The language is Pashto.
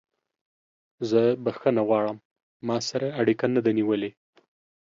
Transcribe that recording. زه بخښنه غواړم ما سره اړیکه نه ده نیولې.